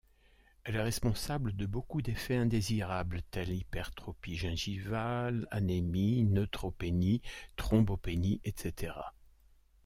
Elle est responsable de beaucoup d'effets indésirables tels hypertrophie gingivale, anémie, neutropénie, thrombopénie, etc.